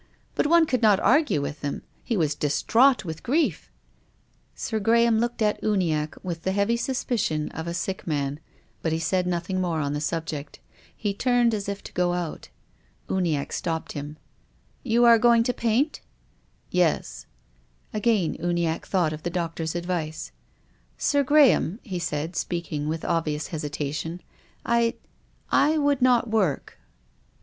But one could not argue with him. He was distraught with grief." Sir Graham looked at Uniacke with the heavy suspicion of a sick man, but he said nothing more on the subject. He turned as if to go out. Uni acke stopped him. " Ydu are going to paint ?"" Yes. Again Uniacke thought of the doctor's advice. " Sir Graham," he said, speaking with obvious hesitation, " I — I would not work." 78 TONGUES OF CONSCIENCE.